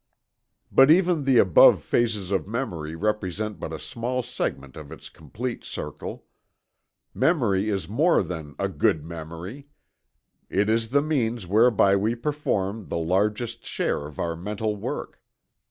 But even the above phases of memory represent but a small segment of its complete circle. Memory is more than "a good memory" it is the means whereby we perform the largest share of our mental work.